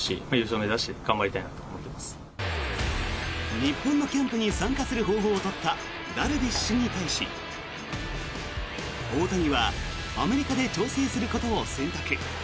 日本のキャンプに参加する方法を取ったダルビッシュに対し大谷はアメリカで調整することを選択。